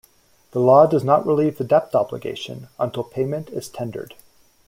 The law does not relieve the debt obligation until payment is tendered.